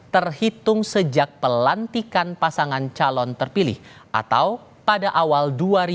terhitung sejak pelantikan pasangan calon terpilih atau pada awal dua ribu dua puluh